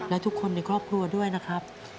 และทุกคนในครอบครัวด้วยนะครับ